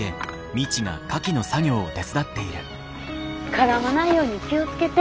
絡まないように気を付けて。